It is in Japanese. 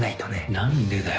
何でだよ